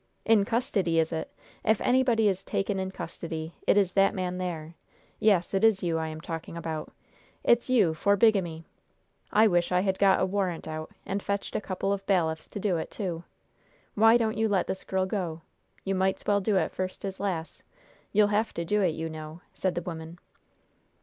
"In custody, is it? If anybody is taken in custody, it is that man there! Yes, it is you I am talking about! It's you, for bigamy! I wish I had got a warrant out and fetched a couple of bailiffs to do it, too! Why don't you let this girl go? You might's well do it first as last. You'll have to do it, you know!" said the woman.